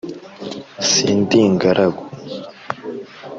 sindi ingaragu